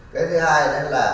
cái thứ hai là